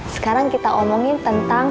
sekarang kita omongin tentang